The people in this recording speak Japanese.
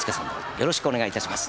よろしくお願いします。